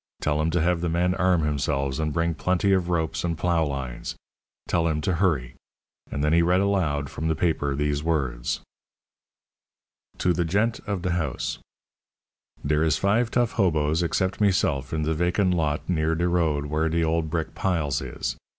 Tell him to have the men arm themselves, and bring plenty of ropes and plough lines. Tell him to hurry." And then he read aloud from the paper these words: TO THE GENT OF DE HOUS: Dere is five tuff hoboes xcept meself in the vaken lot near de road war de old brick piles is.